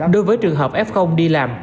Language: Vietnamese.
đối với trường hợp f đi làm